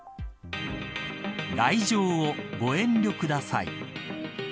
来場をご遠慮ください。